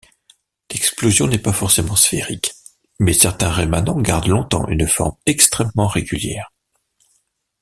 L'explosion n'est pas forcément sphérique, mais certains rémanents gardent longtemps une forme extrêmement régulière.